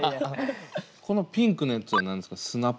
このピンクのやつは何ですか？